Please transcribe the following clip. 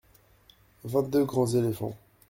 Vingt-deux grands éléphants.